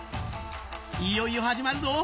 いよいよ始まるぞ